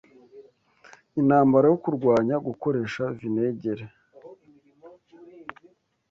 Intambara yo Kurwanya Gukoresha Vinegere